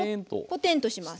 ポテンとします。